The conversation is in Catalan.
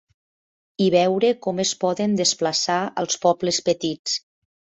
I veure com es poden desplaçar als pobles petits.